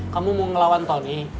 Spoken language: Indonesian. kamu mau ngelawan tony